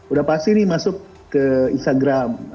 udah pasti nih masuk ke instagram